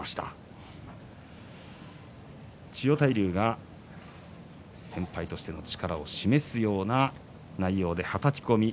千代大龍は先輩としての力を示すような内容で、はたき込み。